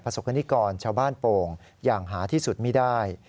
สกนิกรชาวบ้านโป่งอย่างหาที่สุดไม่ได้